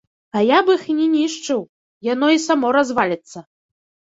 А я б іх і не нішчыў, яно і само разваліцца.